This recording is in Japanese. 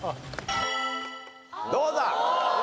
どうだ？